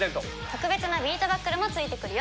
特別なビートバックルも付いてくるよ。